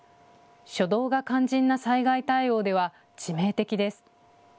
初動が肝心な災害対応では致命的です。